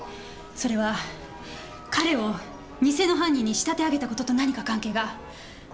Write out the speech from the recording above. それは彼を偽の犯人に仕立て上げたことと何か関係が。